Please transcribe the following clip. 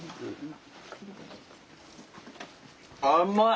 甘い！